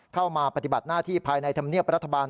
เข้ามาปฏิบัติหน้าที่ภายในธรรมเนียบรัฐบาล